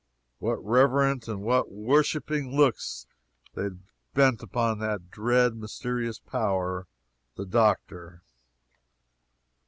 What reverent and what worshiping looks they bent upon that dread, mysterious power, the Doctor!